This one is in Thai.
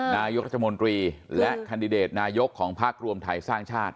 นายกรัฐมนตรีและแคนดิเดตนายกของพักรวมไทยสร้างชาติ